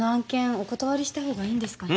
お断りしたほうがいいんですかね